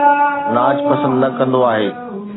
ناچ پسند نه ڪندو آهي